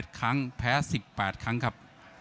ชนะ๓๑ครั้งแพ้๑๘ครั้งครับ